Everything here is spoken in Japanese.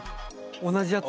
同じやつ？